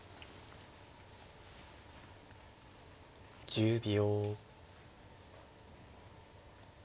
１０秒。